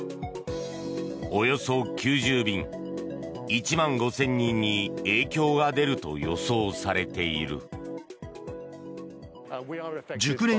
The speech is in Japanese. およそ９０便、１万５０００人に影響が出ると予想されている。